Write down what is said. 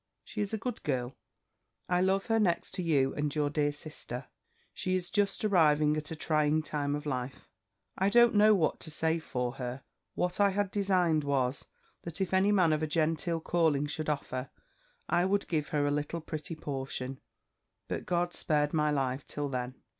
She is a good girl: I love her next to you and your dear sister. She is just arriving at a trying time of life. I don't know what to say for her. What I had designed was, that if any man of a genteel calling should offer, I would give her a little pretty portion, had God spared my life till then.